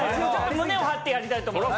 胸を張ってやりたいと思います。